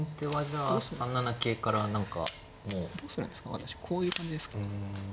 私こういう感じですか。